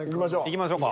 いきましょう。